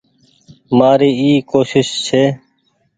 مآري اي ڪوشش ڇي ۔